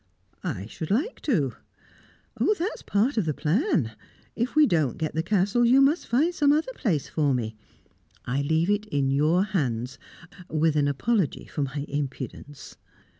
"I should like to." "Oh, that's part of the plan. If we don't get the Castle, you must find some other place for me. I leave it in your hands with an apology for my impudence."